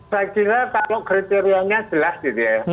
saya kira kalau kriterianya jelas gitu ya